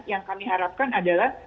yang kami harapkan adalah